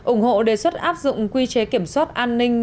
ủng hộ đề xuất áp dụng quy chế kiểm soát an ninh